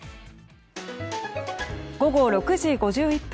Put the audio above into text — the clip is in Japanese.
午後６時５１分。